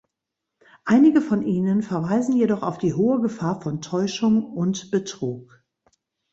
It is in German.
Einige von ihnen verweisen jedoch auf die hohe Gefahr von Täuschung und Betrug.